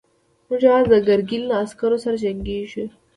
موږ يواځې د ګرګين له عسکرو سره جنګېږو.